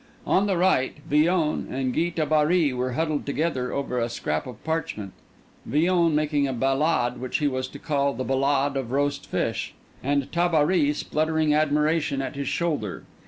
On the right, Villon and Guy Tabary were huddled together over a scrap of parchment; Villon making a ballade which he was to call the "Ballade of Roast Fish," and Tabary spluttering admiration at his shoulder.